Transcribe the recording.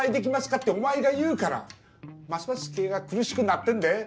ってお前が言うからますます経営が苦しくなってんで。